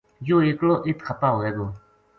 یو ہ ایکلو اِت خپا ہوے گو